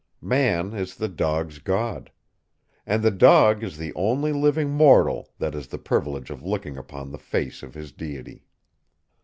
Man is the dog's god. And the dog is the only living mortal that has the privilege of looking upon the face of his deity.